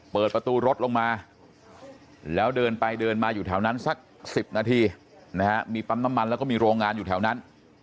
เปิดประตูรถลงมาแล้วเดินไปเดินมาอยู่แถวนั้นสัก๑๐นาทีนะฮะมีปั๊มน้ำมันแล้วก็มีโรงงานอยู่แถวนั้น